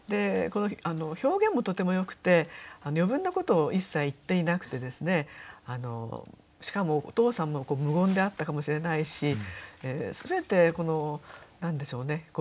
この表現もとてもよくて余分なことを一切言っていなくてしかもお父さんも無言であったかもしれないし全てこの何でしょうね